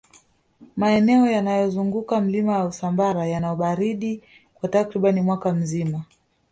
maeneo yanayozunguka milima ya usambara yana ubaridi kwa takribani mwaka mzima